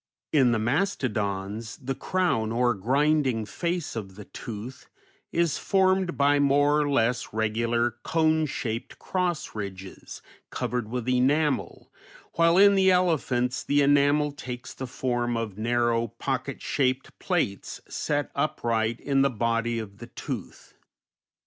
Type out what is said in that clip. In the mastodons the crown, or grinding face of the tooth, is formed by more or less regular /\ shaped cross ridges, covered with enamel, while in the elephants the enamel takes the form of narrow, pocket shaped plates, set upright in the body of the tooth.